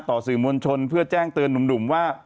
ต่อสื่อมวลชนเพื่อแจ้งเตือนหนุ่มว่า